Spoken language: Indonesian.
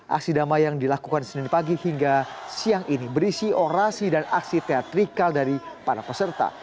aksi damai yang dilakukan senin pagi hingga siang ini berisi orasi dan aksi teatrikal dari para peserta